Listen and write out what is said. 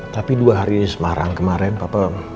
tapi dua hari di semarang kemarin papa